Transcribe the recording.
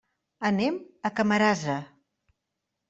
Anem a Camarasa.